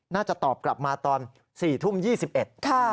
น่าจะตอบกลับมาตอน๔ทุ่ม๒๑ค่ะ